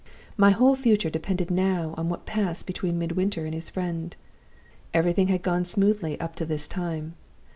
"My whole future depended now on what passed between Midwinter and his friend! Everything had gone smoothly up to this time.